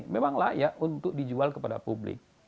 memang layak untuk dijual kepada publik